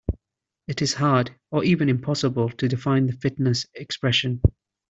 It is hard or even impossible to define the fitness expression.